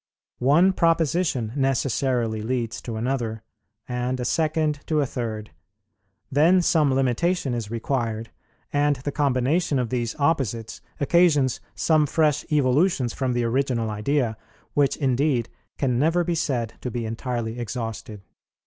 One proposition necessarily leads to another, and a second to a third; then some limitation is required; and the combination of these opposites occasions some fresh evolutions from the original idea, which indeed can never be said to be entirely exhausted.